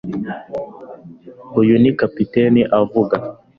Uyu ni capitaine avuga